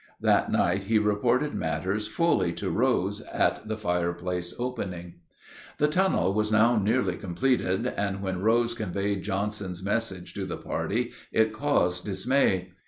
That night he reported matters fully to Rose at the fireplace opening. The tunnel was now nearly completed, and when Rose conveyed Johnson's message to the party it caused dismay.